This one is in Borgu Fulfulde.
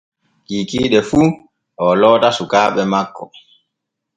Kikiiɗe fu o loota sukaaɓe makko.